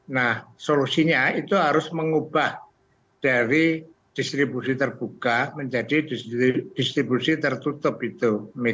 nah solusinya itu harus mengubah dari distribusi terbuka menjadi distribusi tertutup itu